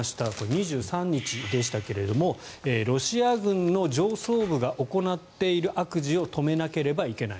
２３日でしたが、ロシア軍の上層部が行っている悪事を止めなければいけない